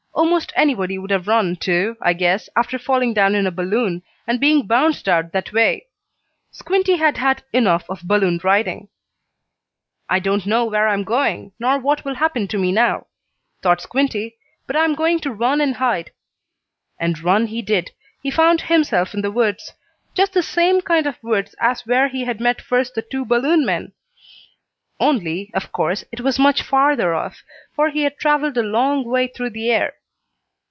Almost anybody would have run, too, I guess, after falling down in a balloon, and being bounced out that way. Squinty had had enough of balloon riding. "I don't know where I'm going, nor what will happen to me now," thought Squinty, "but I am going to run and hide." And run he did. He found himself in the woods; just the same kind of woods as where he had first met the two balloon men, only, of course, it was much farther off, for he had traveled a long way through the air.